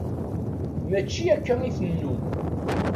Mačči akka i tennum.